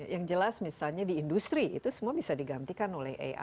yang jelas misalnya di industri itu semua bisa digantikan oleh aib